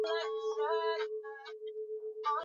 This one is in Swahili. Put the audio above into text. kuwa hawapendi kula binadamu ila huwatesa sana